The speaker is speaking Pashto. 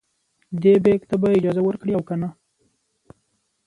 دې بیک ته به اجازه ورکړي او کنه.